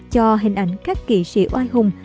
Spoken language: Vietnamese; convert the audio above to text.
cho hình ảnh các kỵ sĩ oai hùng